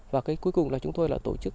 và cuối cùng là chúng tôi tổ chức